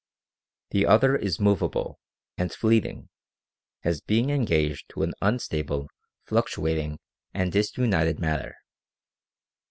The other is movable and fleeting, as being engaged to an unstable, fluctuating, and disunited matter.